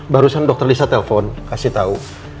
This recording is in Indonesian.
barusan dr lisa telepon kasih tahu